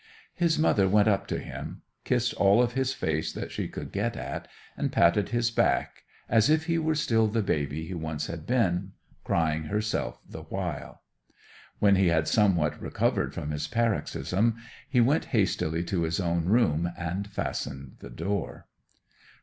His mother went up to him, kissed all of his face that she could get at, and patted his back as if he were still the baby he once had been, crying herself the while. When he had somewhat recovered from his paroxysm he went hastily to his own room and fastened the door.